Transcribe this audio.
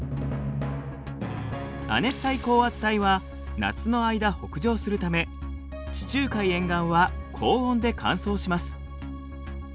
亜熱帯高圧帯は夏の間北上するため地中海沿岸は高温で乾燥します。